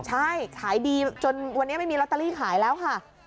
ใช่ขายดีจนวันนี้ไม่มีลอตเตอรี่ขายแล้วค่ะ